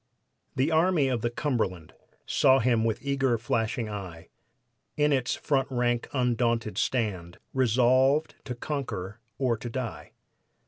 The Army of the Cumberland Saw him with eager, flashing eye In its front rank undaunted stand, Resolved to conquer or to die.